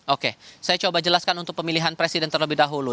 oke saya coba jelaskan untuk pemilihan presiden terlebih dahulu